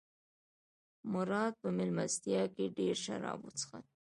مراد په مېلمستیا کې ډېر شراب وڅښل.